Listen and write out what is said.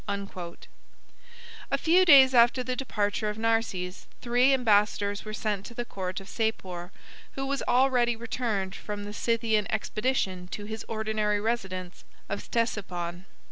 A few days after the departure of Narses, three ambassadors were sent to the court of Sapor, who was already returned from the Scythian expedition to his ordinary residence of Ctesiphon.